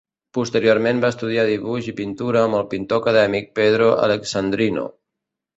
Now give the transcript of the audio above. Posteriorment va estudiar dibuix i pintura amb el pintor acadèmic Pedro Alexandrino.